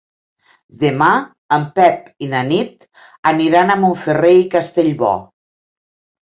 Demà en Pep i na Nit aniran a Montferrer i Castellbò.